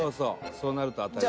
そうなると当たり。